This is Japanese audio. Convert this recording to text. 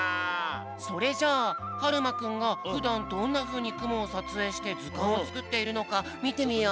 それじゃあはるまくんがふだんどんなふうにくもをさつえいしてずかんをつくっているのかみてみよう。